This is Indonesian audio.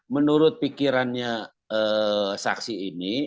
menurut pikirannya saksi ini